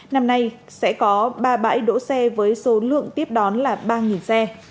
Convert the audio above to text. năm nay sẽ có ba bãi đỗ xe với số lượng tiếp đón là ba xe